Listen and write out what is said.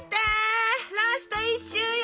ラスト１周よ